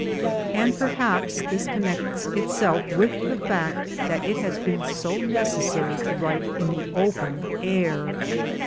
And perhaps this connects itself with the fact that it has been so necessary to write in the open air.